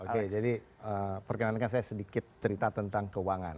oke jadi perkenankan saya sedikit cerita tentang keuangan